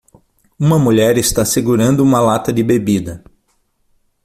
Uma mulher está segurando uma lata de bebida.